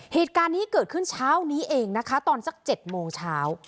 เหตุการณ์นี้เกิดขึ้นเช้านี้เองนะคะตอนสัก๗โมงเช้า